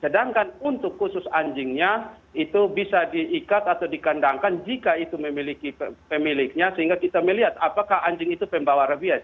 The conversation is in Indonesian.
sedangkan untuk khusus anjingnya itu bisa diikat atau dikandangkan jika itu memiliki pemiliknya sehingga kita melihat apakah anjing itu pembawa rabies